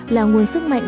là nguồn sức mạnh